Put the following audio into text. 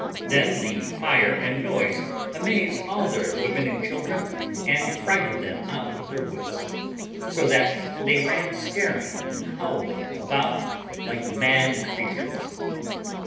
Then the fire and noise amazed all their women and children, and frighted them out of their wits, so that they ran staring and howling about like mad creatures.